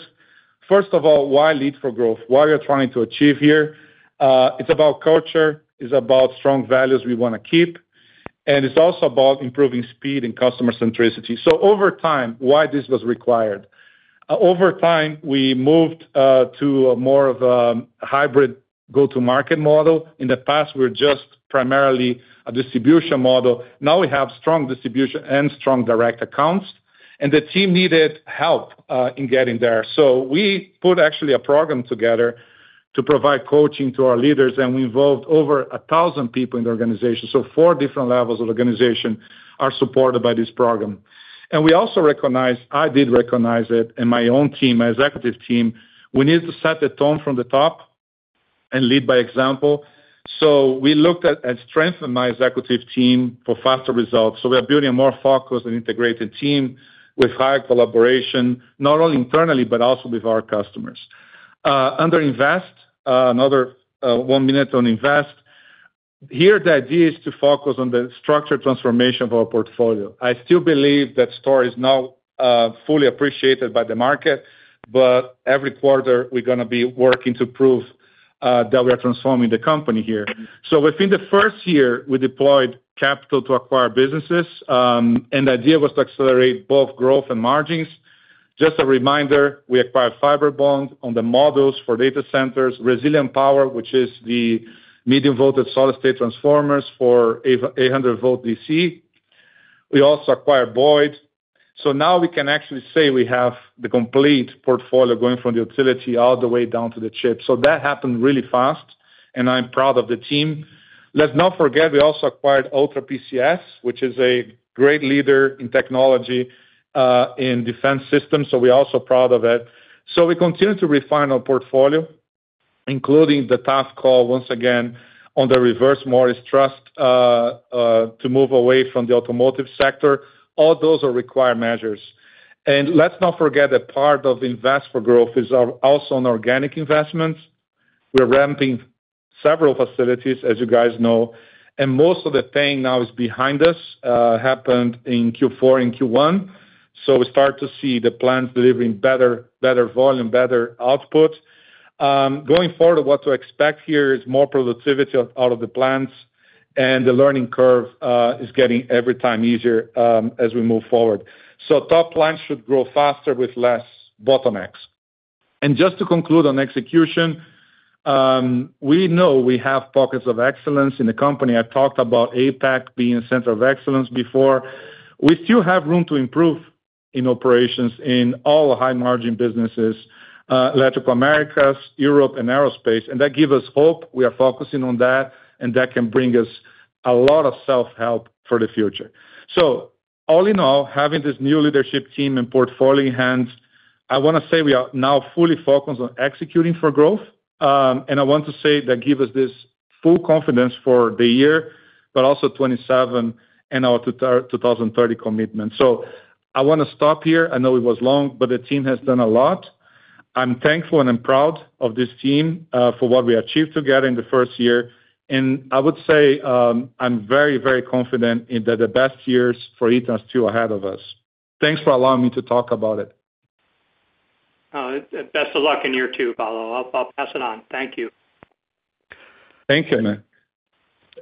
First of all, why lead for growth, what we are trying to achieve here. It's about culture, it's about strong values we want to keep, and it's also about improving speed and customer centricity. Over time, why this was required. Over time, we moved to more of a hybrid go-to-market model. In the past, we were just primarily a distribution model. Now we have strong distribution and strong direct accounts, and the team needed help in getting there. We put actually a program together to provide coaching to our leaders, and we involved over 1,000 people in the organization. Four different levels of organization are supported by this program. We also recognized, I did recognize it in my own team, my executive team, we need to set the tone from the top and lead by example. We looked at strengthening my executive team for faster results. We are building a more focused and integrated team with high collaboration, not only internally, but also with our customers. Under invest, another one minute on invest. Here, the idea is to focus on the structure transformation of our portfolio. I still believe that story is not fully appreciated by the market, but every quarter we're going to be working to prove that we are transforming the company here. Within the first year, we deployed capital to acquire businesses, and the idea was to accelerate both growth and margins. Just a reminder, we acquired Fibrebond on the models for data centers, Resilient Power, which is the medium-voltage solid-state transformers for 800 volt DC. We also acquired Boyd. Now we can actually say we have the complete portfolio going from the utility all the way down to the chip. That happened really fast, and I'm proud of the team. Let's not forget, we also acquired Ultra PCS, which is a great leader in technology in defense systems. We're also proud of it. We continue to refine our portfolio, including the tough call, once again, on the Reverse Morris Trust to move away from the automotive sector. All those are required measures. Let's not forget that part of invest for growth is also on organic investments. We're ramping several facilities, as you guys know, most of the pain now is behind us. Happened in Q4 and Q1. We start to see the plants delivering better volume, better output. Going forward, what to expect here is more productivity out of the plants and the learning curve is getting every time easier as we move forward. Top line should grow faster with less bottlenecks. Just to conclude on execution, we know we have pockets of excellence in the company. I talked about APAC being a center of excellence before. We still have room to improve in operations in all high-margin businesses, Electrical Americas, Europe, and Aerospace. That give us hope. We are focusing on that can bring us a lot of self-help for the future. All in all, having this new leadership team and portfolio in hand, I want to say we are now fully focused on executing for growth. I want to say that give us this full confidence for the year, but also 2027 and our 2030 commitment. I want to stop here. I know it was long, but the team has done a lot. I'm thankful and I'm proud of this team for what we achieved together in the first year, I would say I'm very confident in that the best years for Eaton are still ahead of us. Thanks for allowing me to talk about it. Best of luck in year two, Paulo. I'll pass it on. Thank you. Thank you.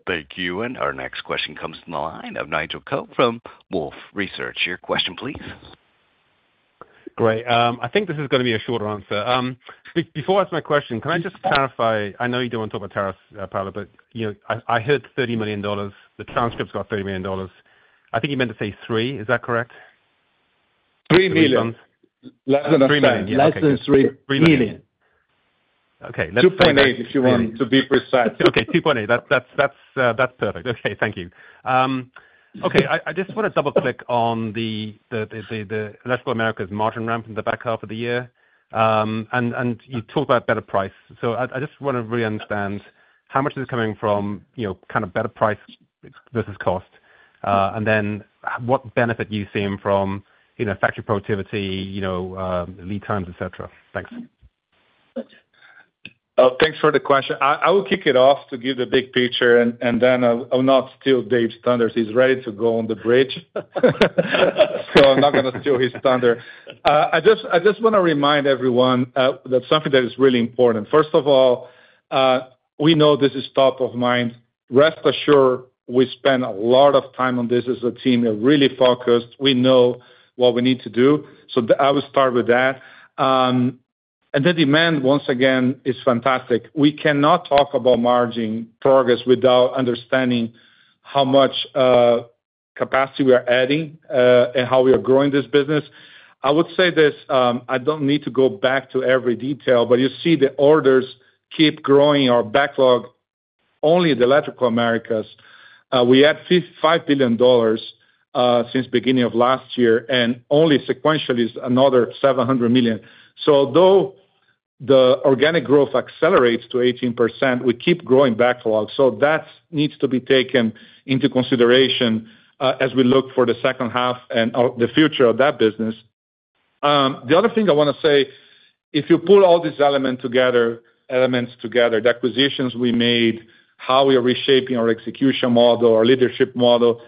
Thank you. Our next question comes from the line of Nigel Coe from Wolfe Research. Your question, please. Great. I think this is going to be a shorter answer. Before I ask my question, can I just clarify, I know you don't want to talk about tariffs, Paulo, but I heard $30 million. The transcript's got $30 million. I think you meant to say three. Is that correct? $3 million. $3 million. Yeah, okay. Less than $3 million. Okay. $2.8, if you want to be precise. Okay. $2.8. That's perfect. Okay. Thank you. Okay. I just want to double-click on the Electrical Americas margin ramp in the back half of the year. You talked about better price. I just want to really understand how much is coming from better price versus cost? Then what benefit are you seeing from factory productivity, lead times, et cetera? Thanks. Thanks for the question. I will kick it off to give the big picture. I will not steal Dave's thunder. He's ready to go on the bridge. I'm not going to steal his thunder. I just want to remind everyone that something that is really important. First of all, we know this is top of mind. Rest assured, we spend a lot of time on this as a team. We're really focused. We know what we need to do. I will start with that. The demand, once again, is fantastic. We cannot talk about margin progress without understanding how much capacity we are adding, and how we are growing this business. I would say this, I don't need to go back to every detail, but you see the orders keep growing our backlog. Only the Electrical Americas, we had $5 billion since beginning of last year, and only sequentially is another $700 million. Although the organic growth accelerates to 18%, we keep growing backlog. That needs to be taken into consideration as we look for the second half and the future of that business. The other thing I want to say, if you pull all these elements together, the acquisitions we made, how we are reshaping our execution model, our leadership model,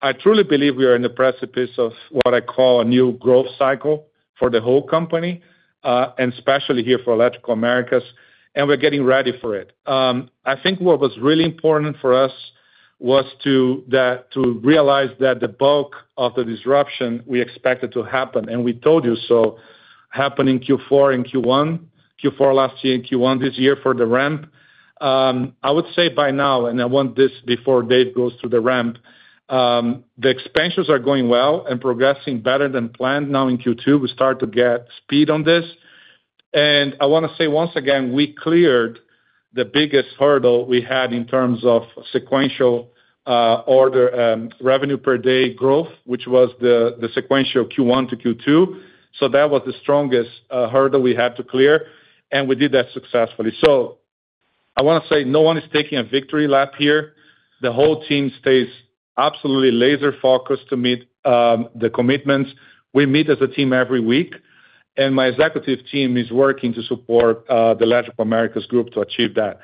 I truly believe we are in the precipice of what I call a new growth cycle for the whole company, and especially here for Electrical Americas, and we're getting ready for it. I think what was really important for us was to realize that the bulk of the disruption we expected to happen, and we told you so, happened in Q4 and Q1. Q4 last year and Q1 this year for the ramp. I would say by now, and I want this before Dave goes to the ramp, the expansions are going well and progressing better than planned now in Q2. We start to get speed on this. I want to say once again, we cleared the biggest hurdle we had in terms of sequential order, revenue per day growth, which was the sequential Q1 to Q2. That was the strongest hurdle we had to clear, and we did that successfully. I want to say no one is taking a victory lap here. The whole team stays absolutely laser focused to meet the commitments. We meet as a team every week, and my executive team is working to support the Electrical Americas group to achieve that.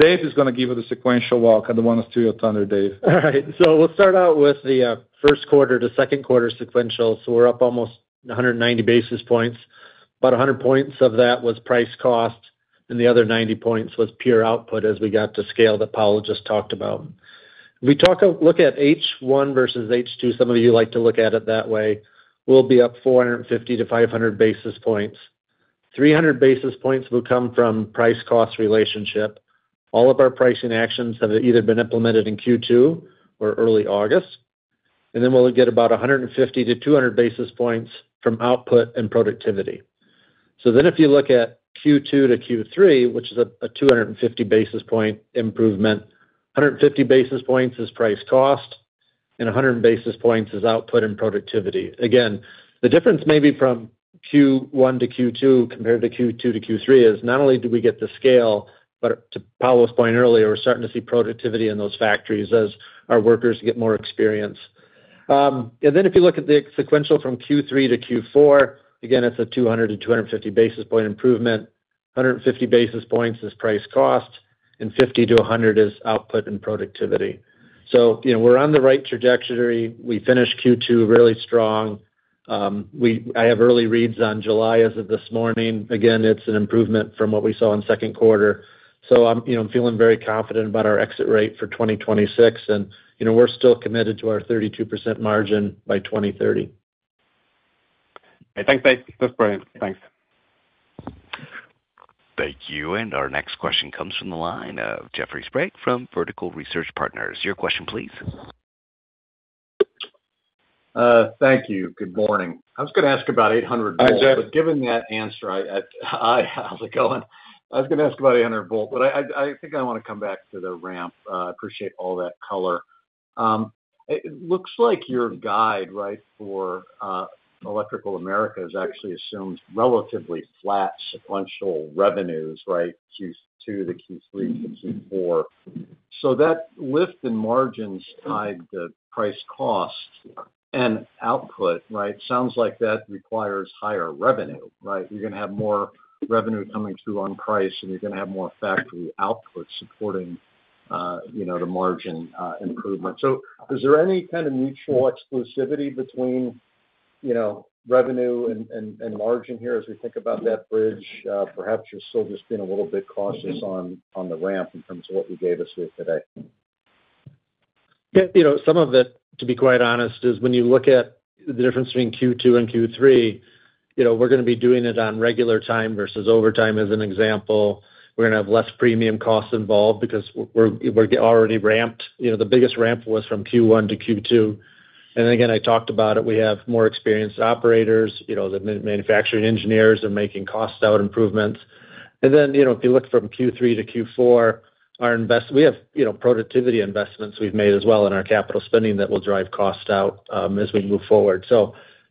Dave is going to give you the sequential walk. I don't want to steal your thunder, Dave. All right. We'll start out with the first quarter to second quarter sequential. We're up almost 190 basis points. About 100 points of that was price cost, and the other 90 points was pure output as we got to scale that Paulo just talked about. If we look at H1 versus H2, some of you like to look at it that way, we'll be up 450 to 500 basis points. 300 basis points will come from price-cost relationship. All of our pricing actions have either been implemented in Q2 or early August. Then we'll get about 150 to 200 basis points from output and productivity. If you look at Q2 to Q3, which is a 250 basis point improvement, 150 basis points is price cost and 100 basis points is output and productivity. The difference maybe from Q1 to Q2 compared to Q2 to Q3 is not only do we get to scale, but to Paulo's point earlier, we're starting to see productivity in those factories as our workers get more experience. If you look at the sequential from Q3 to Q4, again, it's a 200-250 basis point improvement. 150 basis points is price cost and 50-100 is output and productivity. We're on the right trajectory. We finished Q2 really strong. I have early reads on July as of this morning. It's an improvement from what we saw in second quarter. I'm feeling very confident about our exit rate for 2026. We're still committed to our 32% margin by 2030. Thanks, Dave. That's brilliant. Thanks. Thank you. Our next question comes from the line of Jeffrey Sprague from Vertical Research Partners. Your question, please. Thank you. Good morning. I was going to ask about 800 volt. Hi, Jeff. Given that answer, Hi, how's it going? I was going to ask about 800 volt, I think I want to come back to the ramp. I appreciate all that color. It looks like your guide, for Electrical Americas has actually assumed relatively flat sequential revenues, Q2 to Q3 to Q4. That lift in margins tied to price cost and output, sounds like that requires higher revenue, right? You're going to have more revenue coming through on price, and you're going to have more factory output supporting the margin improvement. Is there any kind of mutual exclusivity between revenue and margin here as we think about that bridge? Perhaps you're still just being a little bit cautious on the ramp in terms of what you gave us here today. Yeah. Some of it, to be quite honest, is when you look at the difference between Q2 and Q3, we're going to be doing it on regular time versus overtime as an example. We're going to have less premium costs involved because we're already ramped. The biggest ramp was from Q1 to Q2. Again, I talked about it, we have more experienced operators. The manufacturing engineers are making cost out improvements. Then, if you look from Q3 to Q4, we have productivity investments we've made as well in our capital spending that will drive cost out as we move forward.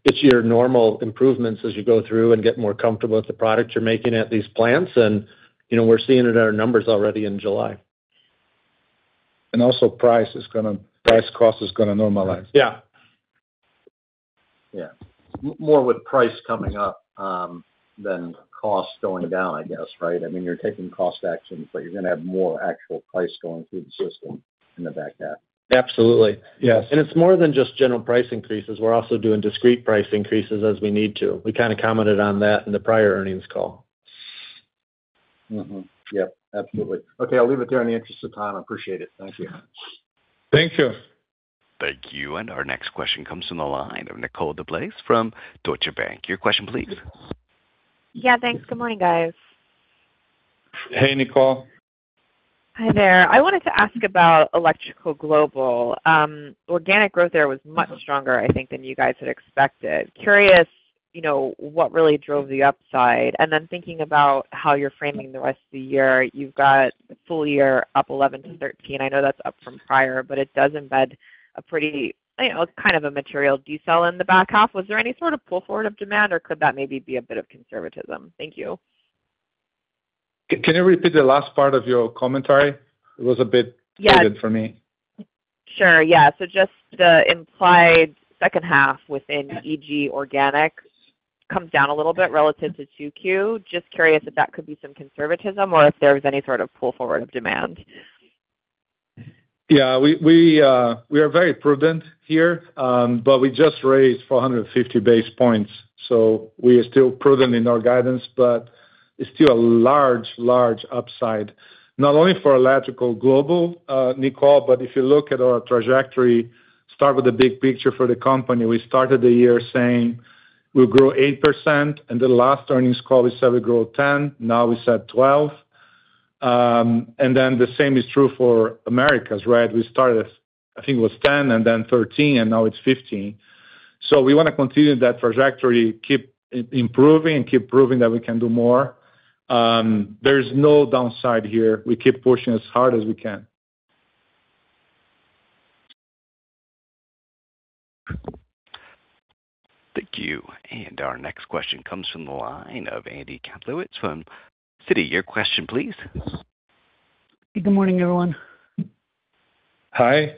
It's your normal improvements as you go through and get more comfortable with the products you're making at these plants, and we're seeing it in our numbers already in July. Also price cost is going to normalize. Yeah. Yeah. More with price coming up than costs going down, I guess, right? I mean, you're taking cost actions, but you're going to have more actual price going through the system in the back half. Absolutely. Yes. It's more than just general price increases. We're also doing discrete price increases as we need to. We kind of commented on that in the prior earnings call. Yep, absolutely. Okay, I'll leave it there in the interest of time. I appreciate it. Thank you. Thank you. Thank you. Our next question comes from the line of Nicole DeBlase from Deutsche Bank. Your question please. Yeah, thanks. Good morning, guys. Hey, Nicole. Hi there. I wanted to ask about Electrical Global. Organic growth there was much stronger, I think, than you guys had expected. Curious what really drove the upside. Thinking about how you're framing the rest of the year, you've got full year up 11%-13%. I know that's up from prior, but it does embed a pretty, kind of a material decel in the back half. Was there any sort of pull forward of demand or could that maybe be a bit of conservatism? Thank you. Can you repeat the last part of your commentary? It was a bit. Yes. Faded for me. Sure. Yeah. Just the implied second half within Electrical Global Organics comes down a little bit relative to 2Q. Just curious if that could be some conservatism or if there was any sort of pull forward of demand. Yeah. We are very prudent here. We just raised 450 basis points. We are still prudent in our guidance, but it's still a large upside, not only for Electrical Global, Nicole, if you look at our trajectory, start with the big picture for the company. We started the year saying we'll grow 8%, and the last earnings call we said we'd grow 10%, now we said 12%. The same is true for Americas, right? We started, I think it was 10%, then 13%, and now it's 15%. We want to continue that trajectory, keep improving, keep proving that we can do more. There's no downside here. We keep pushing as hard as we can. Thank you. Our next question comes from the line of Andy Kaplowitz from Citi. Your question please. Good morning, everyone. Hi.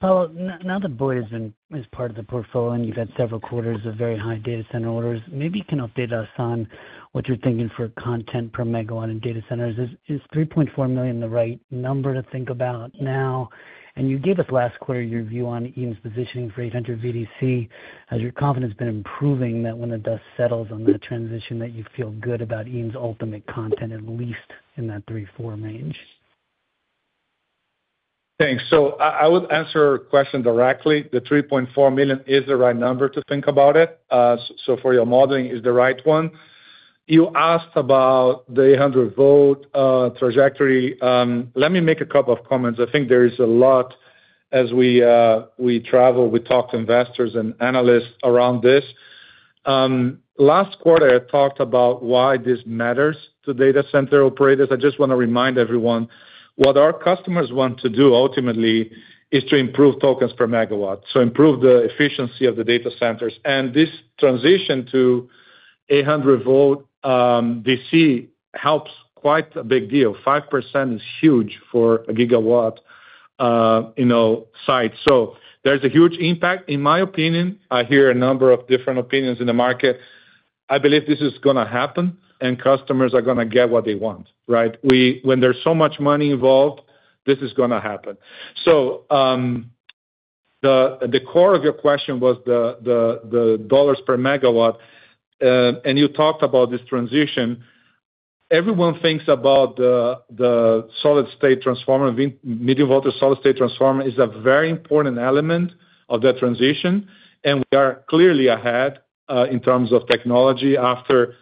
Paulo, now that Boyd is part of the portfolio, and you've had several quarters of very high data center orders, maybe you can update us on what you're thinking for content per megawatt in data centers. Is $3.4 million the right number to think about now? You gave us last quarter your view on Eaton's positioning for 800 VDC. Has your confidence been improving that when the dust settles on the transition, that you feel good about Eaton's ultimate content, at least in that three four range? Thanks. I would answer your question directly. The $3.4 million is the right number to think about it. For your modeling, it's the right one. You asked about the 800 volt trajectory. Let me make a couple of comments. I think there is a lot as we travel, we talk to investors and analysts around this. Last quarter, I talked about why this matters to data center operators. I just want to remind everyone, what our customers want to do ultimately is to improve tokens per megawatt. Improve the efficiency of the data centers. This transition to 800 volt DC helps quite a big deal. 5% is huge for a gigawatt site. There's a huge impact in my opinion. I hear a number of different opinions in the market. I believe this is going to happen. Customers are going to get what they want, right? When there's so much money involved, this is going to happen. The core of your question was the dollars per megawatt, and you talked about this transition. Everyone thinks about the solid-state transformer. Medium-voltage solid-state transformer is a very important element of that transition, and we are clearly ahead, in terms of technology after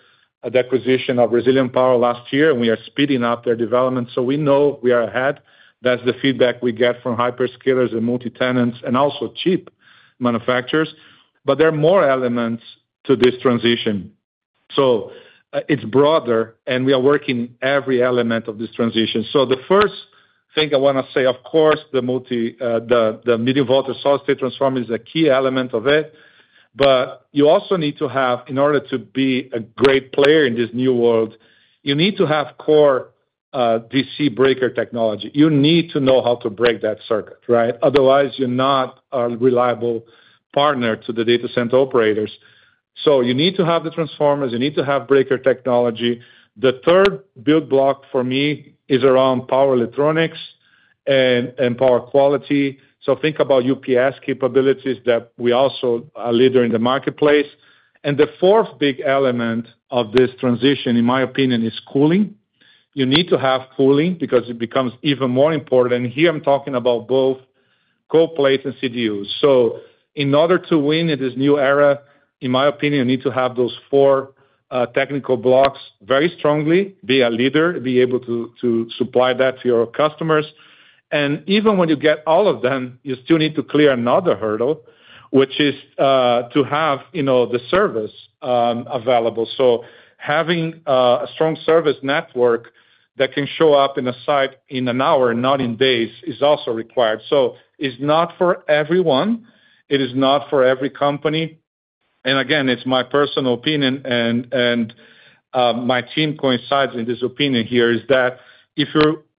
the acquisition of Resilient Power last year, and we are speeding up their development. We know we are ahead. That's the feedback we get from hyperscalers and multi-tenants, and also chip manufacturers. There are more elements to this transition. It's broader, and we are working every element of this transition. The first thing I want to say, of course, the medium-voltage solid-state transformer is a key element of it. You also need to have, in order to be a great player in this new world, you need to have core DC breaker technology. You need to know how to break that circuit, right? Otherwise, you're not a reliable partner to the data center operators. You need to have the transformers, you need to have breaker technology. The third build block for me is around power electronics and power quality. Think about UPS capabilities that we also are a leader in the marketplace. The fourth big element of this transition, in my opinion, is cooling. You need to have cooling because it becomes even more important. Here I'm talking about both cold plates and CDUs. In order to win in this new era, in my opinion, you need to have those four technical blocks very strongly, be a leader, be able to supply that to your customers. Even when you get all of them, you still need to clear another hurdle, which is to have the service available. Having a strong service network that can show up in a site in an hour, not in days, is also required. It's not for everyone. It is not for every company. Again, it's my personal opinion, and my team coincides with this opinion here, is that if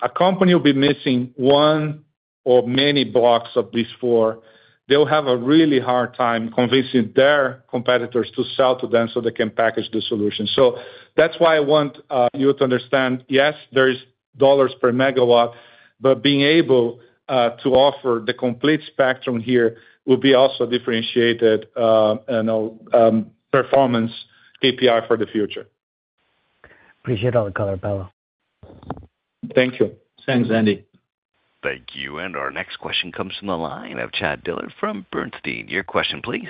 a company will be missing one or many blocks of these four, they'll have a really hard time convincing their competitors to sell to them so they can package the solution. That's why I want you to understand, yes, there is dollars per megawatt, but being able to offer the complete spectrum here will be also differentiated performance KPI for the future. Appreciate all the color, Paulo. Thank you. Thanks, Andy. Thank you. Our next question comes from the line of Chad Dillard from Bernstein. Your question please.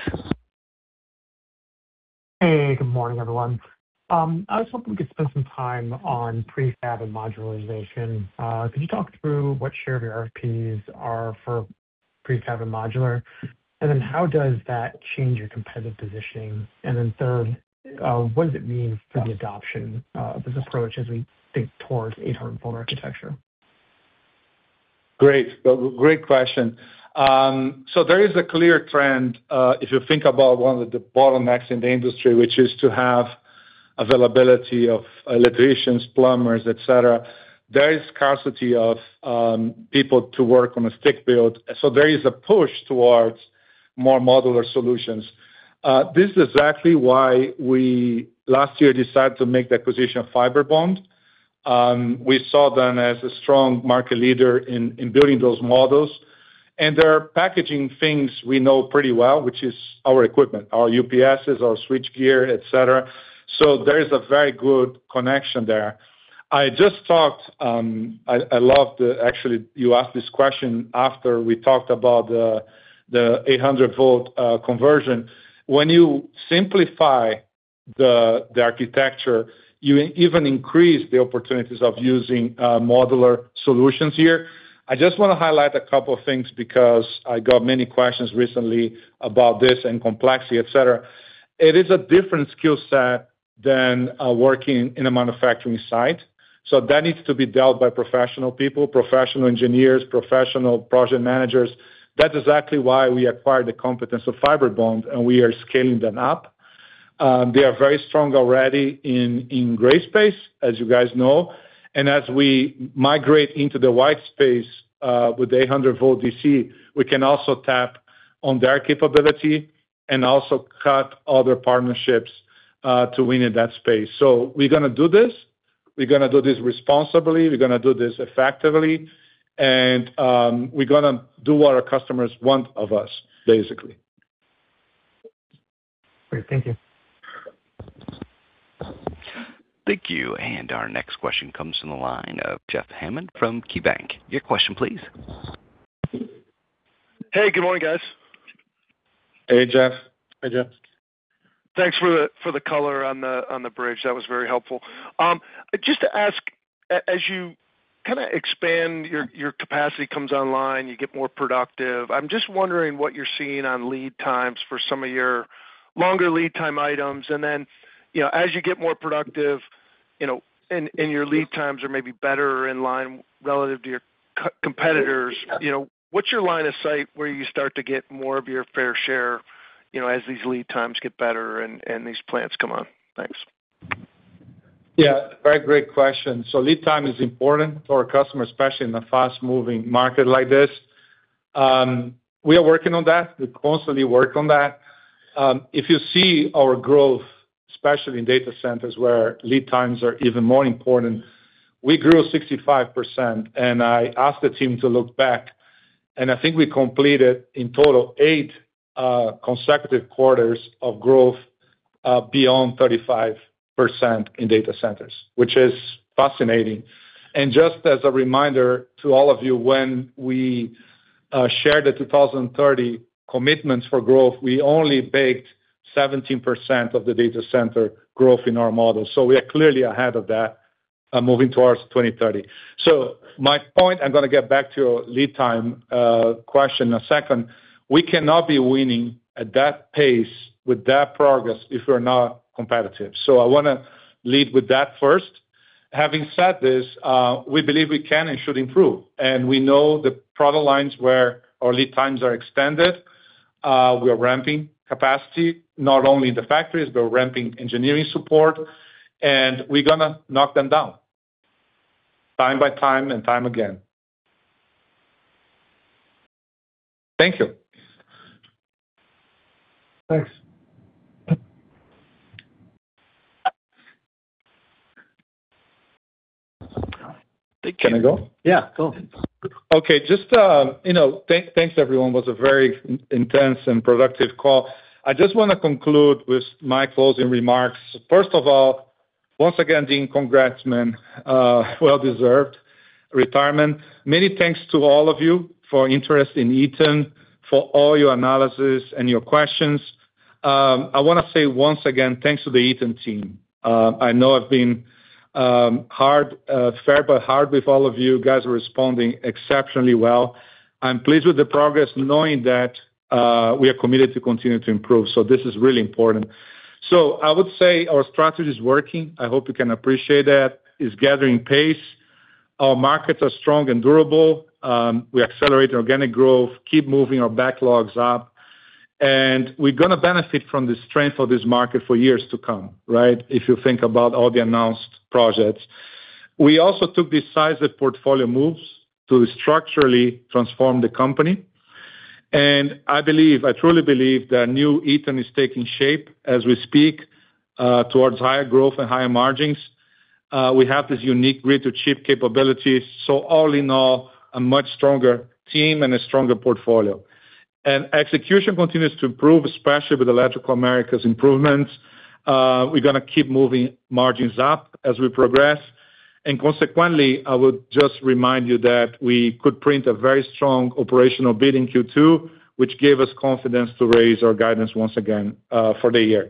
Hey, good morning, everyone. I was hoping we could spend some time on prefab and modularization. Could you talk through what share of your RFPs are for prefab and modular? How does that change your competitive positioning? Third, what does it mean for the adoption of this approach as we think towards 800-volt architecture? Great. Great question. There is a clear trend, if you think about one of the bottlenecks in the industry, which is to have availability of electricians, plumbers, et cetera. There is scarcity of people to work on a stick build. There is a push towards more modular solutions. This is exactly why we, last year, decided to make the acquisition of Fibrebond. We saw them as a strong market leader in building those models. They're packaging things we know pretty well, which is our equipment, our UPSs, our switchgear, et cetera. There is a very good connection there. I loved, actually, you asked this question after we talked about the 800-volt conversion. When you simplify the architecture, you even increase the opportunities of using modular solutions here. I just want to highlight a couple of things because I got many questions recently about this and complexity, et cetera. It is a different skill set than working in a manufacturing site. That needs to be dealt by professional people, professional engineers, professional project managers. That's exactly why we acquired the competence of Fibrebond, and we are scaling them up. They are very strong already in gray space, as you guys know. As we migrate into the white space with the 800-volt DC, we can also tap on their capability and also cut other partnerships to win in that space. We're going to do this. We're going to do this responsibly. We're going to do this effectively. We're going to do what our customers want of us, basically. Great. Thank you. Thank you. Our next question comes from the line of Jeff Hammond from KeyBanc. Your question, please. Hey, good morning, guys. Hey, Jeff. Hi, Jeff. Thanks for the color on the bridge. That was very helpful. Just to ask, as you expand, your capacity comes online, you get more productive, I'm just wondering what you're seeing on lead times for some of your longer lead time items. As you get more productive, and your lead times are maybe better in line relative to your competitors, what's your line of sight where you start to get more of your fair share, as these lead times get better and these plants come on? Thanks. Yeah. Great question. Lead time is important for our customers, especially in a fast-moving market like this. We are working on that. We constantly work on that. If you see our growth, especially in data centers where lead times are even more important, we grew 65%. I asked the team to look back, and I think we completed in total eight consecutive quarters of growth beyond 35% in data centers, which is fascinating. Just as a reminder to all of you, when we shared the 2030 commitments for growth, we only baked 17% of the data center growth in our model. We are clearly ahead of that moving towards 2030. My point, I'm going to get back to your lead time question a second. We cannot be winning at that pace with that progress if we're not competitive. I want to lead with that first. Having said this, we believe we can and should improve, and we know the product lines where our lead times are extended. We are ramping capacity not only in the factories, but we're ramping engineering support, and we're going to knock them down time by time and time again. Thank you. Thanks. Can I go? Yeah, go. Okay. Thanks, everyone. Was a very intense and productive call. I just want to conclude with my closing remarks. First of all, once again, Deane, congrats, man. Well-deserved retirement. Many thanks to all of you for your interest in Eaton, for all your analysis and your questions. I want to say once again, thanks to the Eaton team. I know I've been fair but hard with all of you. You guys are responding exceptionally well. I'm pleased with the progress knowing that we are committed to continue to improve. This is really important. I would say our strategy is working. I hope you can appreciate that. It's gathering pace. Our markets are strong and durable. We accelerate organic growth, keep moving our backlogs up, and we're going to benefit from the strength of this market for years to come, right, if you think about all the announced projects. We also took decisive portfolio moves to structurally transform the company. I truly believe that new Eaton is taking shape as we speak towards higher growth and higher margins. We have this unique grid-to-chip capability. All in all, a much stronger team and a stronger portfolio. Execution continues to improve, especially with Electrical Americas improvements. We're going to keep moving margins up as we progress. Consequently, I would just remind you that we could print a very strong operational beat in Q2, which gave us confidence to raise our guidance once again for the year.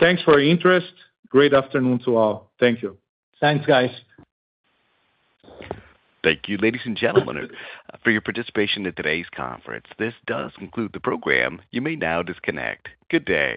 Thanks for your interest. Great afternoon to all. Thank you. Thanks, guys. Thank you, ladies and gentlemen, for your participation in today's conference. This does conclude the program. You may now disconnect. Good day.